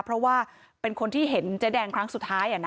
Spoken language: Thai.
เพราะว่าเป็นคนที่เห็นเจ๊แดงครั้งสุดท้าย